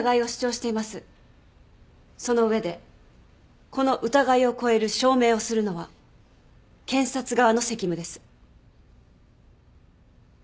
その上でこの疑いを超える証明をするのは検察側の責務です。